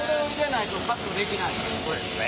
そうですね。